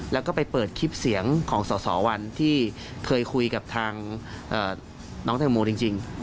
แล้วก็ไปเปิดคลิปเสียงของสอสอวันที่เคยคุยกับทางน้องแตงโมจริง